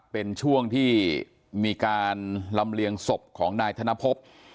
เป็นช่วงที่มีการลำเลียงศพของนายธนภพ